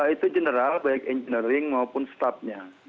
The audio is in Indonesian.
itu general baik engineering maupun staffnya